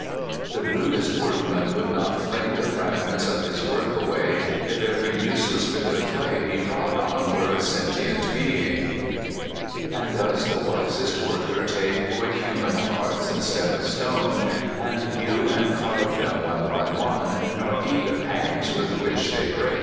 The rudest workman would not fling The fragments of his work away, If every useless bit of clay lie trod on were a sentient thing. And does the Wisest Worker take Quick human hearts, instead of stone, And hew and carve them one by one, Nor heed the pangs with which they break?